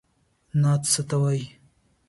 نعت څه ته وايي؟